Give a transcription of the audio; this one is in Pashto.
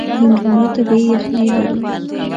هندوانه طبیعي یخنۍ لري.